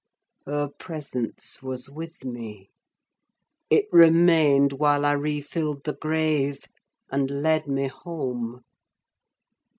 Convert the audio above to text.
Her presence was with me: it remained while I re filled the grave, and led me home.